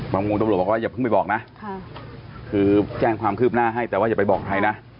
มุมตำรวจบอกว่าอย่าเพิ่งไปบอกนะคือแจ้งความคืบหน้าให้แต่ว่าอย่าไปบอกใครนะ